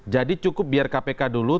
jadi cukup biar kpk dulu